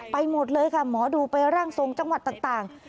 ไปหมดเลยค่ะหมอดูไปร่างทรงจังหวัดต่าง